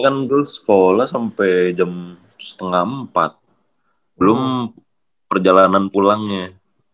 kan gue sekolah sampe jam setengah empat belum perjalanan pulangnya gitu